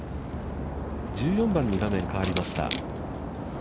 １４番に画面が変わりました。